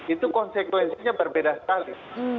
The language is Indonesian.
itu konsekuensinya berbeda sekali